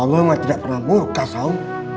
allah emang tidak pernah murka so